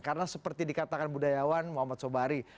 karena seperti dikatakan budayawan muhammad sobari